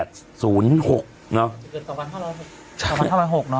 จะเกิดตะวันทะวัน๖เนาะ